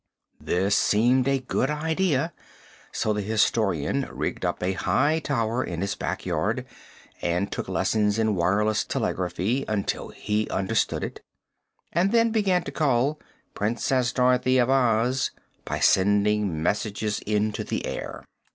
That seemed a good idea; so the Historian rigged up a high tower in his back yard, and took lessons in wireless telegraphy until he understood it, and then began to call "Princess Dorothy of Oz" by sending messages into the air.